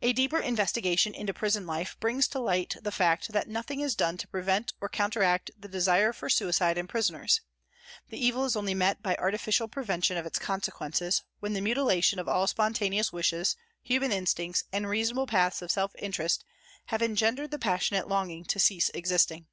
A deeper investigation into prison life brings to light the fact that nothing is done to prevent or counteract the desire for suicide in prisoners, the evil is only met by artificial prevention of its consequences when the mutilation of all spontaneous wishes, human instincts and reasonable paths of self interest have engendered the passionate longing to cease existing.